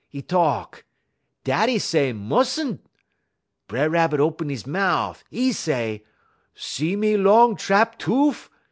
'E talk: "'Daddy say mus'n'.' "B'er Rabbit open 'e mout'. 'E say: "'See me long sha'p toof?